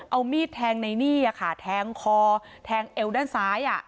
เอามีดแทงในนี่ค่ะแทงคอแทงเอวด้านซ้าย